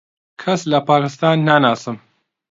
کەس لە پاکستان ناناسم.